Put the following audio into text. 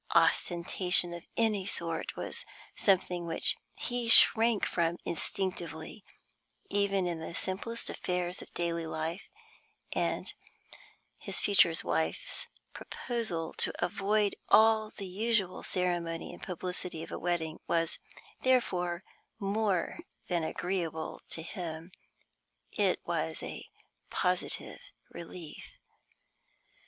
Ostentation of any sort was something which he shrank from instinctively, even in the simplest affairs of daily life; and his future wife's proposal to avoid all the usual ceremony and publicity of a wedding was therefore more than agreeable to him it was a positive relief.